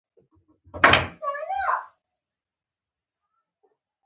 زما نړۍ کوچنۍ ده